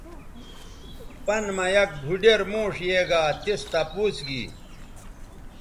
پَن مہ یک بُھوڈیر موݜ یے گا تِس تپوس گی